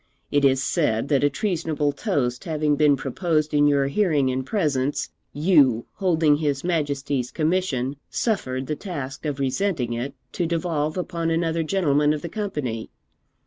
It is said that a treasonable toast having been proposed in your hearing and presence, you, holding his Majesty's commission, suffered the task of resenting it to devolve upon another gentleman of the company.